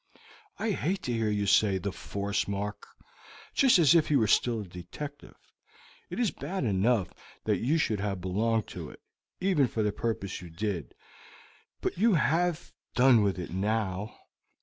"I hate to hear you say 'the force,' Mark, just as if you were still a detective; it is bad enough that you should have belonged to it, even for the purpose you did; but you have done with it now."